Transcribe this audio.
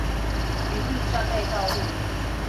澐密戰備道路